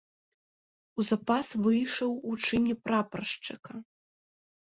У запас выйшаў у чыне прапаршчыка.